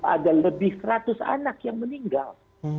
ada lebih seratus anak yang meninggal